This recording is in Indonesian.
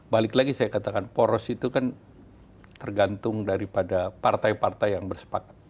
balik lagi saya katakan poros itu kan tergantung daripada partai partai yang bersepakat